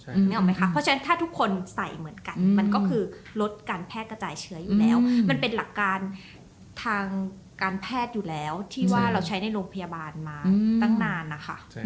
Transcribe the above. นึกออกไหมคะเพราะฉะนั้นถ้าทุกคนใส่เหมือนกันมันก็คือลดการแพร่กระจายเชื้ออยู่แล้วมันเป็นหลักการทางการแพทย์อยู่แล้วที่ว่าเราใช้ในโรงพยาบาลมาตั้งนานนะคะ